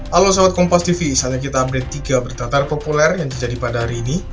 halo sobat kompastv saatnya kita update tiga berkataan populer yang terjadi pada hari ini